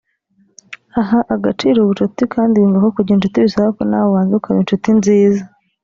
Aha agaciro ubucuti kandi yumva ko kugira incuti bisaba ko nawe ubanza ukaba incuti nziza